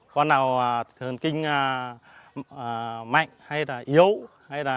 con nào thần kinh mạnh hay là yếu hay là